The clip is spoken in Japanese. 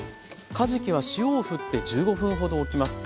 かじきは塩をふって１５分ほどおきます。